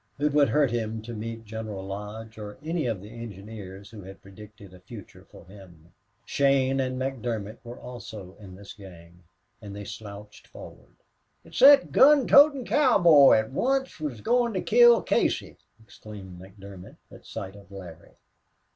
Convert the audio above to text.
It would hurt him to meet General Lodge or any of the engineers who had predicted a future for him. Shane and McDermott were also in this gang, and they slouched forward. "It's thot gun throwin' cowboy as wuz onct goin' to kill Casey!" exclaimed McDermott, at sight of Larry.